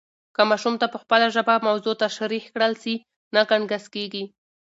که ماشوم ته په خپله ژبه موضوع تشریح کړل سي، نه ګنګس کېږي.